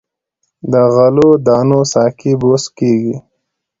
د غلو دانو ساقې بوس کیږي.